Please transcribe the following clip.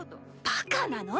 バカなの？